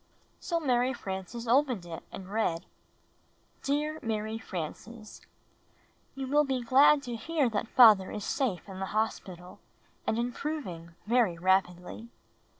So Mary Frances opened it and read: Dear Mary Frances: You will he glad to hear that father is safe in the hos pital and improving very rapidly.